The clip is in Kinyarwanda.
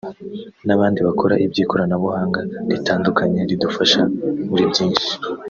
n’abandi bakora iby’ikoranabuhanga ritandukanye ridufasha muri byinshi